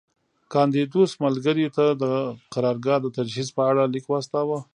کاندیدوس ملګري ته د قرارګاه د تجهیز په اړه لیک واستاوه